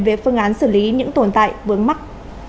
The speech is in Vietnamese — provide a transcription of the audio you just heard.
về phương án xử lý những tồn tại vướng mắc